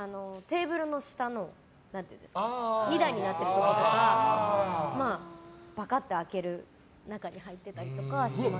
テーブルの下の２段になってるところとかパカッて開ける中に入ってたりとかします。